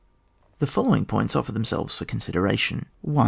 103 The following points offer themselves for consideration :— (1.)